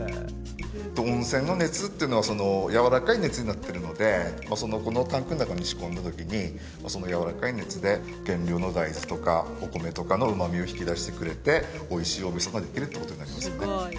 温泉の熱っていうのはやわらかい熱になってるのでこのタンクの中に仕込んだときにそのやわらかい熱で原料の大豆とかお米とかの旨味を引き出してくれておいしいお味噌ができるってことになりますよね